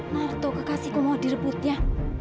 naruto kekasihku mau direbutnya